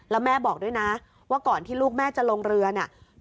แล้วแม่บอกด้วยนะว่าก่อนที่ลูกแม่จะลงเรือน่ะ